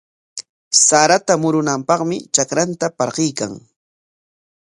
Sarata murunanpaqmi trakranta parquykan.